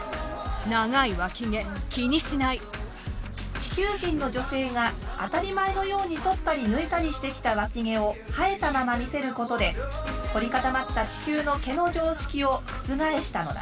地球人の女性が当たり前のようにそったり抜いたりしてきたワキ毛を生えたまま見せることで凝り固まった地球の毛の常識を覆したのだ。